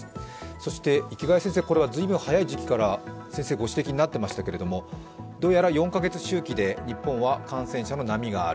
そして、池谷先生、これは随分早い時期からご指摘になっていましたけれども、どうやら４カ月周期で日本は感染者の波がある。